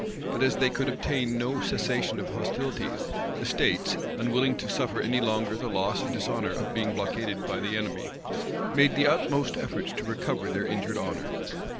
But as they could obtain no cessation of hostilities, the states, unwilling to suffer any longer the loss and dishonor of being blockaded by the enemy, made the utmost efforts to recover their injured honor.